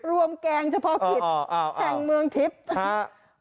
รวมแกงเฉพาะกิจแห่งเมืองทิพย์